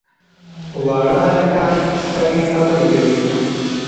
واړه هلکان سترې خبرې کوي.